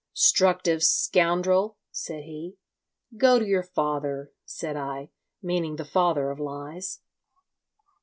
''Structive scoundrel,' said he. 'Go to your father,' said I, meaning the Father of Lies.